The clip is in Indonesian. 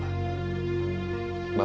bapak kelihatan gusar